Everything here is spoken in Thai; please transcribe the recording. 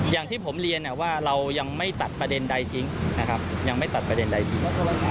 อย่างที่ผมเรียนว่าเรายังไม่ตัดประเด็นใดทิ้งนะครับยังไม่ตัดประเด็นใดทิ้ง